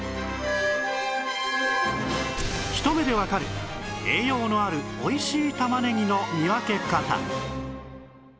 ひと目でわかる栄養のあるおいしい玉ねぎの見分け方